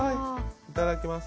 いただきます・